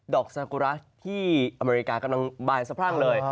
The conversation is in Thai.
ดอกสากุระที่อเมริกากำลังบานเสมืองเลย